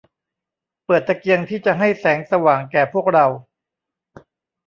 เปิดตะเกียงที่จะให้แสงสว่างแก่พวกเรา